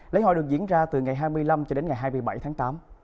lễ hội được diễn ra từ ngày hai mươi năm cho đến ngày hai mươi bảy tháng tám